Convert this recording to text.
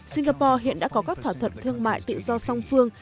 singapore hiện đã có các thỏa thuận thương mại tự do song phương